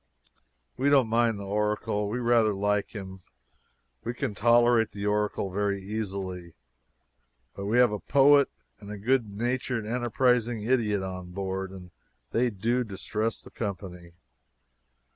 We don't mind the Oracle. We rather like him. We can tolerate the Oracle very easily, but we have a poet and a good natured enterprising idiot on board, and they do distress the company.